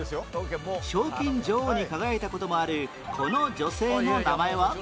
賞金女王に輝いた事もあるこの女性の名前は？